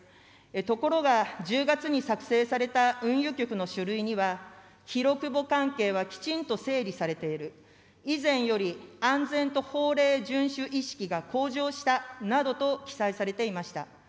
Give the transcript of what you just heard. ところが、１０月に作成された運輸局の書類には、記録簿関係はきちんと整理されている、以前より、安全と法令順守意識が向上したなどと記載されていました。